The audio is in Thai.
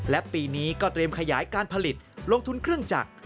และปีนี้ก็เตรียมขยายการผลิตลงทุนเครื่องจักร